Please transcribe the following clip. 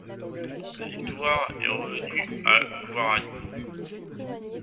La victoire est revenue à Guarani.